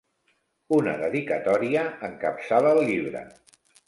Una dedicatòria encapçala el llibre.